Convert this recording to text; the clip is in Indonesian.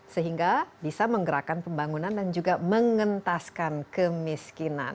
sehingga bisa menggerakkan pembangunan dan juga mengentaskan kemiskinan